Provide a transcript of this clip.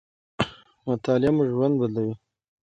مطالعه مو ژوند بدلوي.